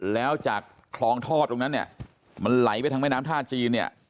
แล้วจากคลองทอดตรงนั้นเนี่ยมันไหลไปทางแม่น้ำท่าจีนเนี่ย